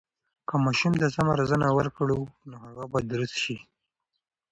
که ماشوم ته سمه روزنه ورکړو، نو هغه به درست شي.